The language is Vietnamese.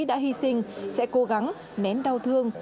đã hy sinh sẽ cố gắng nén đau thương